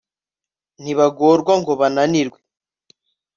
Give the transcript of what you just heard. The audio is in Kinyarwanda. ntibagorwa ngo bananirwe